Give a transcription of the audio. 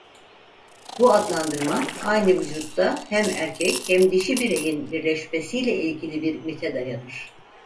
Bu adlandırma aynı vücutta hem erkek hem dişi bireyin birleşmesiyle ilgili bir mite dayanır.